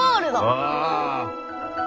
ああ。